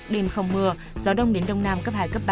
đêm không mưa gió đông đến đông nam cấp hai cấp ba